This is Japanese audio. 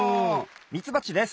ミツバチです。